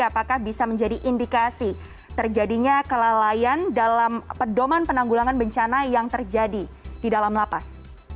apakah bisa menjadi indikasi terjadinya kelalaian dalam pedoman penanggulangan bencana yang terjadi di dalam lapas